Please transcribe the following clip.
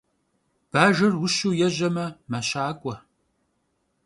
Bajjer vuşu yêjeme, meşak'ue.